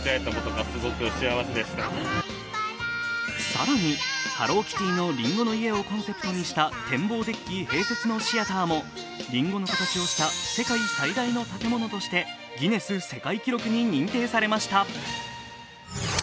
更に、ハローキティのりんごの家をコンセプトにした展望デッキ併設のシアターもりんごの形をした世界最大の建物としてギネス世界記録に認定されました。